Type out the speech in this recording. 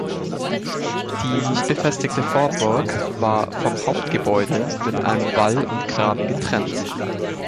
Die nicht befestigte Vorburg war vom Hauptgebäude mit einem Wall und Graben getrennt.